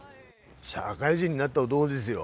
社会人になった男ですよ。